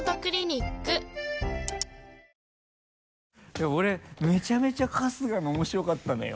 でも俺めちゃめちゃ春日の面白かったのよ。